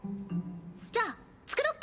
じゃあ作ろっか。